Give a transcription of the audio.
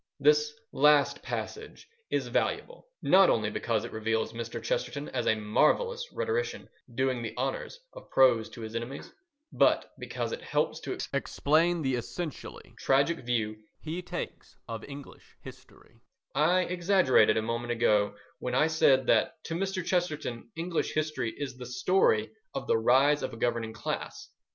This last passage is valuable, not only because it reveals Mr. Chesterton as a marvellous rhetorician doing the honours of prose to his enemies, but because it helps to explain the essentially tragic view he takes of English history. I exaggerated a moment ago when I said that to Mr. Chesterton English history is the story of the rise of a governing class.